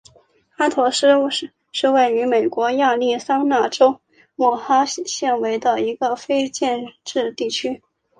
阿陀斯是位于美国亚利桑那州莫哈维县的一个非建制地区。